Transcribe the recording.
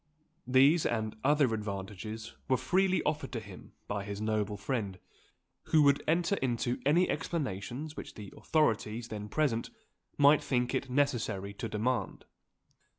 These, and other advantages, were freely offered to him by his noble friend, who would enter into any explanations which the authorities then present might think it necessary to demand.